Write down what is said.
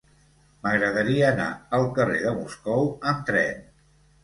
M'agradaria anar al carrer de Moscou amb tren.